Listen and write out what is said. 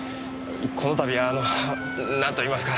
この度はなんといいますか。